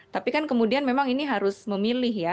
tapi kan kemudian memang ini harus memilih ya